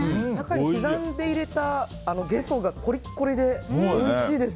刻んで入れたゲソがコリコリでおいしいです。